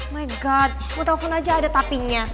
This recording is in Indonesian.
my god mau telfon aja ada tapinya